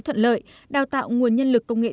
thuận lợi đào tạo nguồn nhân lực công nghệ